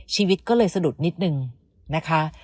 ชีวิตก็เลยสะดุดนิดนึงนะคะ